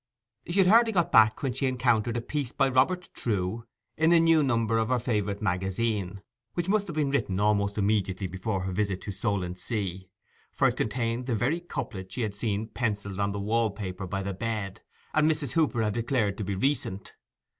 She had hardly got back when she encountered a piece by Robert Trewe in the new number of her favourite magazine, which must have been written almost immediately before her visit to Solentsea, for it contained the very couplet she had seen pencilled on the wallpaper by the bed, and Mrs. Hooper had declared to be recent.